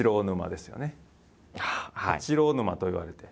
「八郎沼」と言われて。